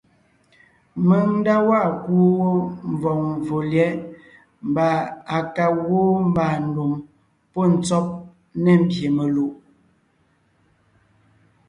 Mèŋ nda waa kuu wó mvɔ̀g mvfò lyɛ̌ʼ mbà à ka gwoon mbàandùm pɔ́ ntsɔ́b ne mbyè melùʼ;